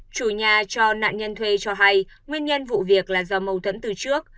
chủ nhà cho nạn nhân thuê cho hay nguyên nhân vụ việc là do mâu thuẫn từ trước